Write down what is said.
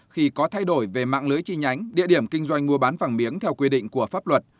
khi có thay đổi về mạng lưới chi nhánh địa điểm kinh doanh mua bán vàng miếng theo quy định của pháp luật